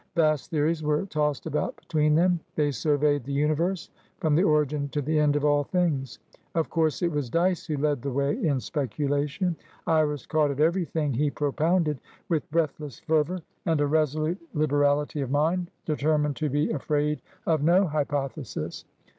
Vast theories were tossed about between them; they surveyed the universe from the origin to the end of all things. Of course it was Dyce who led the way in speculation; Iris caught at everything he propounded with breathless fervour and a resolute liberality of mind, determined to be afraid of no hypothesis.